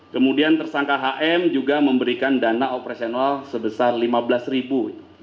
kemudian tersangka hm juga memberikan dana operasional sebesar lima belas ribu